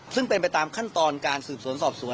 ซึ่งเป็นไปตามขั้นตอนการสืบสวนสอบสวน